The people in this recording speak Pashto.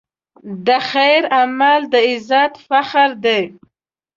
د خیر عمل د عزت فخر دی.